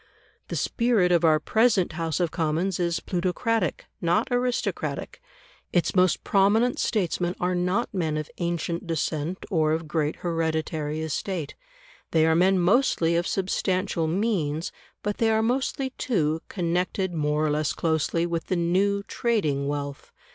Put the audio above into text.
The spirit of our present House of Commons is plutocratic, not aristocratic; its most prominent statesmen are not men of ancient descent or of great hereditary estate; they are men mostly of substantial means, but they are mostly, too, connected more or less closely with the new trading wealth.